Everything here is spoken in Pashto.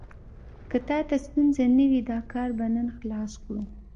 که تا ته ستونزه نه وي، دا کار به نن خلاص کړو.